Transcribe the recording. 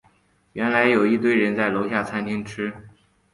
原来有一堆人都在楼下餐厅吃